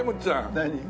何？